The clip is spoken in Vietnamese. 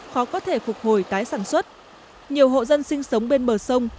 khó có thể phục hồi tái sản xuất nhiều hộ dân sinh sống bên bờ sông